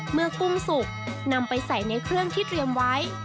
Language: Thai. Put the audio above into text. กุ้งสุกนำไปใส่ในเครื่องที่เตรียมไว้